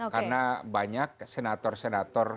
karena banyak senator senator